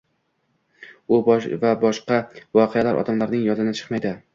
va boshqa voqealar odamlarning yodidan chiqmaydi.